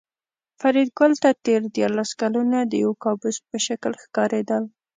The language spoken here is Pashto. فریدګل ته تېر دیارلس کلونه د یو کابوس په شکل ښکارېدل